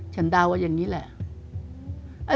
เดาว่าอย่างนี้แหละ